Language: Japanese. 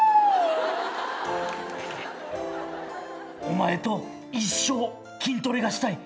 お前と一生筋トレがしたい。